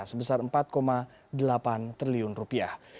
sebesar empat delapan triliun rupiah